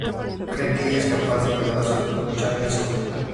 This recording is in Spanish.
Cree que ella es capaz de cuidar a su hijo Charley sola.